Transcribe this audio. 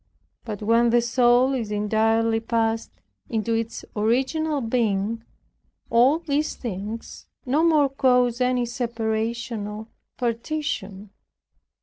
But when the soul is entirely passed into its original Being, all these things no more cause any separation or partition.